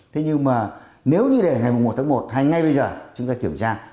thế nhưng mà nếu như để ngày một tháng một hay ngay bây giờ chúng ta kiểm tra